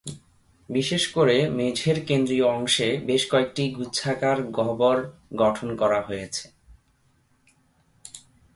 বিশেষ করে মেঝের কেন্দ্রীয় অংশে বেশ কয়েকটি গুচ্ছাকার গহ্বর গঠন করা হয়েছে।